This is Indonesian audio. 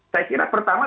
saya kira pertama